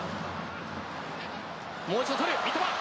もう一度取る、三笘。